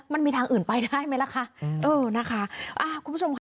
มันมีทางอื่นไปได้ไหมล่ะค่ะคุณผู้ชมค่ะ